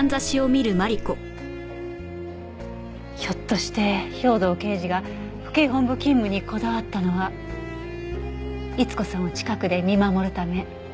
ひょっとして兵藤刑事が府警本部勤務にこだわったのは伊津子さんを近くで見守るため。